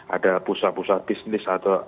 ada pusat pusat bisnis atau